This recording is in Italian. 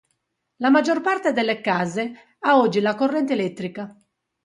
La maggior parte delle case ha oggi la corrente elettrica.